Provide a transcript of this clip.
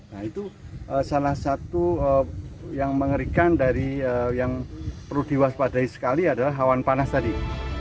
nah itu salah satu yang mengerikan dari yang perlu diwaspadai sekali adalah awan panas tadi